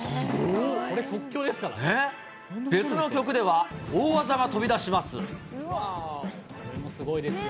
これ、別の曲では大技が飛び出しますごいですよ。